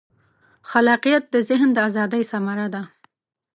خلاقیت د ذهن د ازادۍ ثمره ده.